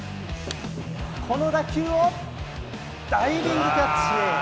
この打球をダイビングキャッチ。